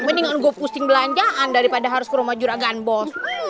mendingan gue pusing belanjaan daripada harus ke rumah juragan bos